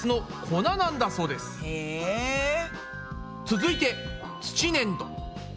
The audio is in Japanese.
続いて土ねんど。